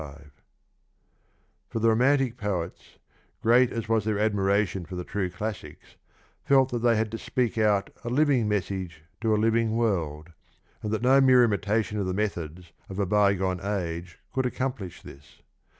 295) for the romantic poets, great as was their admiration for the true classics, felt that they had to speak out a living message to a living world, and that no mere imitation of the methods of a by gone age could accomplish this.